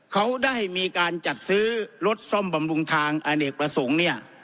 เขาได้มีการจัดซื้อรถซ่อมบำรุงทางอเนกประสงค์เนี่ย